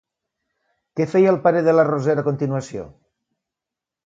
Què feia el pare de la Roser a continuació?